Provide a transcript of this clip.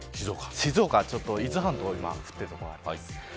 静岡は、伊豆半島、今降っている所があります。